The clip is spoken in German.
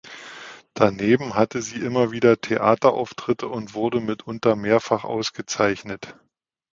Daneben hatte sie immer wieder Theaterauftritte und wurde mitunter mehrfach ausgezeichnet.